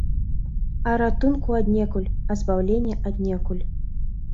А ратунку аднекуль, а збаўлення аднекуль.